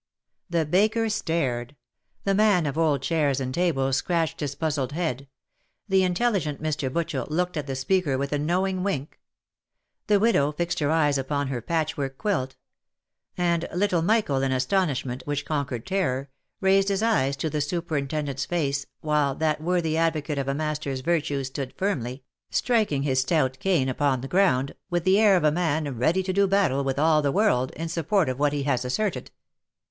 The baker stared ; the man of old chairs and tables scratched his puzzled head ; the intelligent Mr. Butchel looked at the speaker with a knowing wink; the widow fixed her eyes upon her patchwork quilt ; and little Michael in astonishment, which conquered terror, raised his eyes to the superintendent's face, while that worthy advo cate of a master's virtues stood firmly, striking his stout cane upon the ground, with the air of a man ready to do battle with all the world in support of what he has asserted.